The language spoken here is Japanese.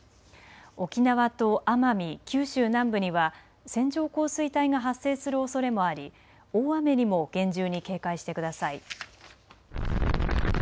沖縄と奄美、九州南部には線状降水帯が発生するおそれもあり大雨にも厳重に警戒してください。